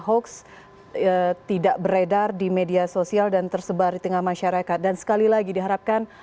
hoax tidak beredar di media sosial dan tersebar di tengah masyarakat dan sekali lagi diharapkan